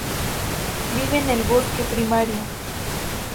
Vive en el bosque primario.